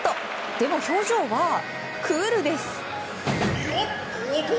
でも表情はクールです。